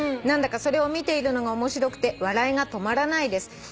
「何だかそれを見ているのが面白くて笑いが止まらないです」